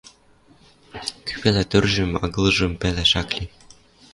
Кӱ пӓлӓ... тӧржӹм-агылжым пӓлӓш ак ли.